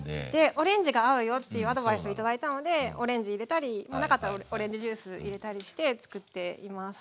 オレンジが合うよっていうアドバイスを頂いたのでオレンジ入れたりなかったらオレンジジュース入れたりしてつくっています。